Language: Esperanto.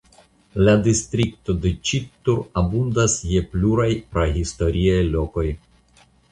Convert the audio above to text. La distrikto de Ĉittur abundas je pluraj prahistoriaj lokoj.